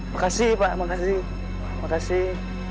makasih pak makasih makasih